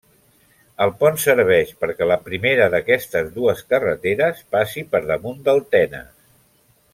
El pont serveix perquè la primera d'aquestes dues carreteres passi per damunt del Tenes.